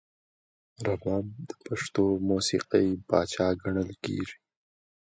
رباب د پښتو موسیقۍ پاچا ګڼل کیږي.